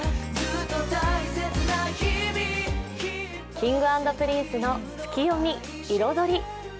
Ｋｉｎｇ＆Ｐｒｉｎｃｅの「ツキヨミ／彩り」